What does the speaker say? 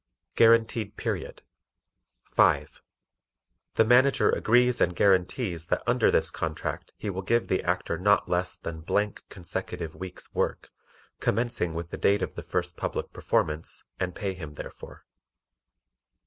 Guaranteed Period 5. The Manager agrees and guarantees that under this contract he will give the Actor not less than consecutive weeks' work, commencing with the date of the first public performance, and pay him therefor.